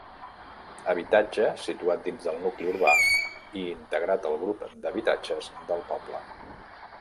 Habitatge situat dins del nucli urbà i integrat al grup d'habitatges del poble.